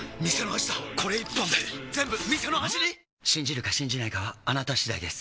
信じるか信じないかはあなた次第です